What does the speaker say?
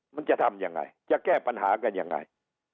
มันจะทำยังไงจะแก้ปัญหากันยังไง